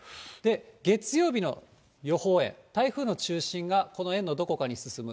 月曜日の予報円、台風の中心がこの円のどこかに進む。